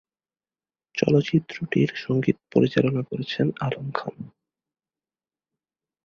চলচ্চিত্রটির সঙ্গীত পরিচালন করেছেন আলম খান।